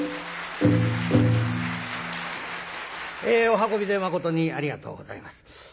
えお運びでまことにありがとうございます。